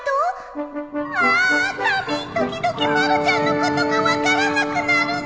ああタミー時々まるちゃんのことが分からなくなるの